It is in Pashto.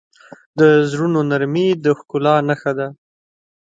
د زړونو نرمي د ښکلا نښه ده.